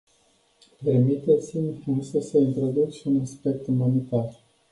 Permiteți-mi însă să introduc și un aspect umanitar.